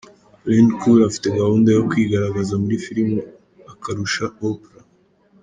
Aline Cool afite gahunda yo kwigaragaza muri filimi akarusha Oprah.